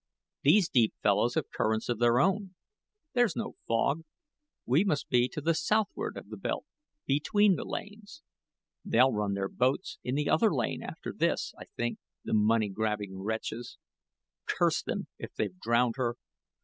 These deep fellows have currents of their own. There's no fog; we must be to the southward of the belt between the Lanes. They'll run their boats in the other Lane after this, I think the money grabbing wretches. Curse them if they've drowned her.